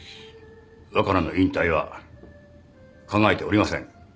若菜の引退は考えておりません。